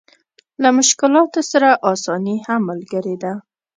له مشکلاتو سره اساني هم ملګرې ده.